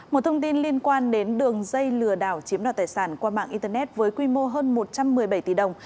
một thông tin liên quan đến đường dây lừa đảo chiếm đoạt tài sản qua mạng internet với quy mô hơn một trăm một mươi bảy tỷ đồng